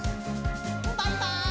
バイバイ！